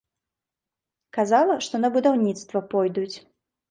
Казала, што на будаўніцтва пойдуць.